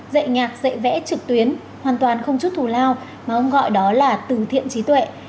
dạy nhạc dạy vẽ trực tuyến hoàn toàn không chút thù lao mà ông gọi đó là từ thiện trí tuệ